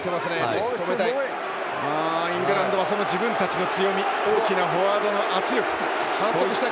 イングランドは自分たちの強みフォワードの圧力。